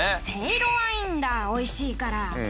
せいろはいいんだおいしいから。